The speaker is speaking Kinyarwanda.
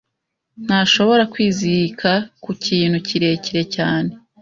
Ntashobora kwizirika ku kintu kirekire cyane.